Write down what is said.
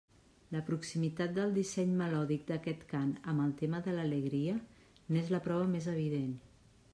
La proximitat del disseny melòdic d'aquest cant amb el tema de l'alegria n'és la prova més evident.